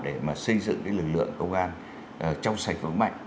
để mà xây dựng lực lượng công an trong sạch vững mạnh